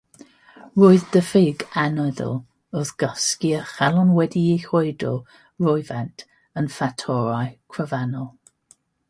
Roedd diffyg anadl wrth gysgu a “chalon wedi'i chwyddo rywfaint” yn ffactorau cyfrannol.